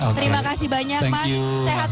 terima kasih banyak mas